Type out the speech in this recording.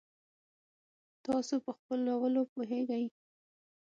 تاسو په پخولوو پوهیږئ؟